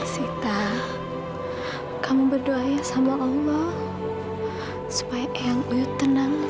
sita kamu berdoa ya sama allah supaya yang tenang